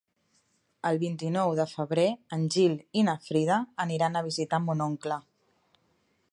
El vint-i-nou de febrer en Gil i na Frida aniran a visitar mon oncle.